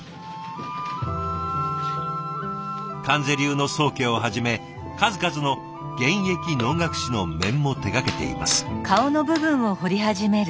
観世流の宗家をはじめ数々の現役能楽師の面も手がけています。